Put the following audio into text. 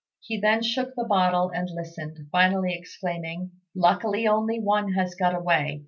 He then shook the bottle and listened, finally exclaiming, "Luckily only one has got away.